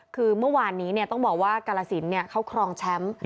คือเมื่อวานนี้ต้องบอกว่ากาลสินเขาครองแชมป์